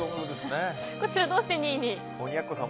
こちら、どうして２位に？